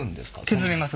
削れます。